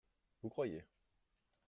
Vous croyez ?